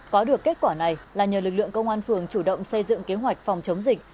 có được kết quả này là nhờ lực lượng công an phường chủ động xây dựng kế hoạch phòng chống dịch